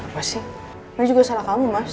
pasti ini juga salah kamu mas